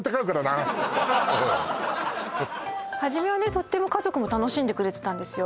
初めはねとっても家族も楽しんでくれてたんですよ